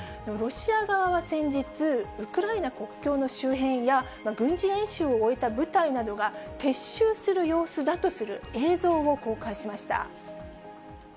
ロシア側は先日、ウクライナ国境の周辺や軍事演習を終えた部隊などが、撤収する様子だとする映像を公開しました。